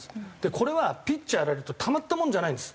これはピッチャーやられるとたまったもんじゃないんです。